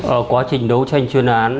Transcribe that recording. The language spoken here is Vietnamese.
ở quá trình đấu tranh chuyên án